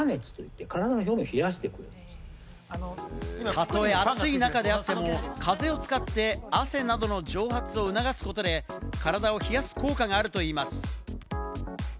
たとえ暑い中であっても、風を使って汗などの蒸発を促すことで、体を冷やす効果があるといいます。